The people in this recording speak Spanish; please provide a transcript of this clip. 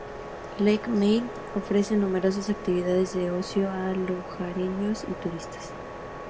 Lake Mead ofrece numerosas actividades de ocio a lugareños y turistas.